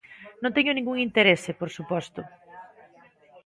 Non teño ningún interese, por suposto.